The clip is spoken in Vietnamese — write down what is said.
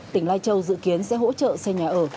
tỉnh lai châu dự kiến sẽ hỗ trợ xây nhà ở